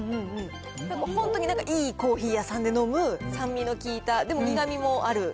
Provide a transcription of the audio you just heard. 本当になんかいいコーヒー屋さんで飲む酸味の効いた、でも苦みもある。